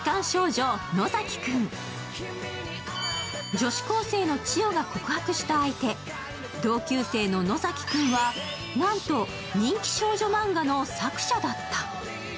女子高生の千代が告白した相手、同級生の野崎くんはなんと人気少女マンガの作者だった。